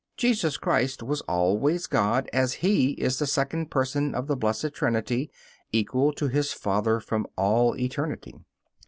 Jesus Christ was always God, as He is the second Person of the Blessed Trinity, equal to His Father from all eternity.